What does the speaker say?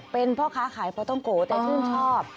เป็นเพราะค้าขายเพราะต้องโกแต่ชื่นชอบ